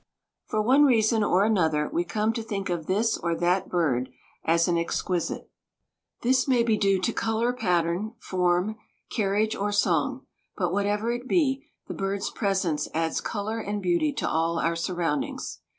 For one reason or another we come to think of this or that bird as an exquisite. This may be due to color pattern, form, carriage or song, but whatever it be, the bird's presence adds color and beauty to all our surroundings.